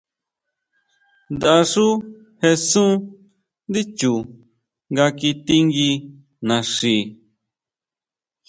Nda xú jesun ndí chu nga kitingui naxi.